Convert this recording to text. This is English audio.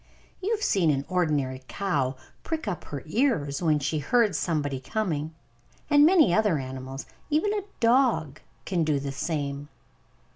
You have seen an ordinary cow prick up her ears when she heard somebody coming; and many other animals even a dog can do the same.